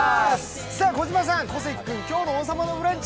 児嶋さん、小関君、今日の「王様のブランチ」